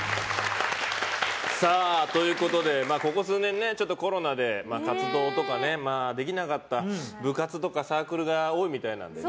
ここ数年、コロナで活動とかできなかった部活とかサークルが多いみたいなのでね。